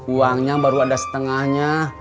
uangnya baru ada setengahnya